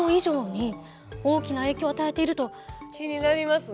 気になりますね。